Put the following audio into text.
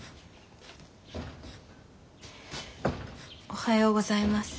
おはようございます。